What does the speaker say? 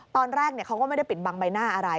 ตอนแรกเขาก็ไม่ได้ปิดบังใบหน้าอะไร